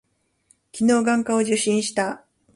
昨日、眼科を受診した。